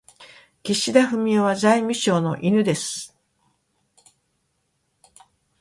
岸田文雄は財務省の犬です。